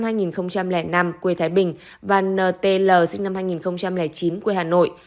quy tê tê sinh năm hai nghìn năm quê thái bình và nt l sinh năm hai nghìn chín quê hà nội